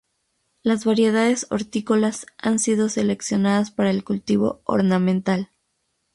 Las variedades hortícolas han sido seleccionadas para el cultivo ornamental.